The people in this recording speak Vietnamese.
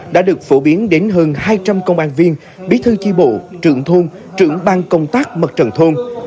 đã được phổ biến đến hơn hai trăm linh công an viên bí thư chi bộ trưởng thôn trưởng bang công tác mặt trận thôn